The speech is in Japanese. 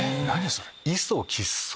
それ。